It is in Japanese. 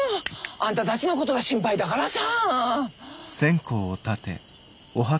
あんたたちのことが心配だからさ。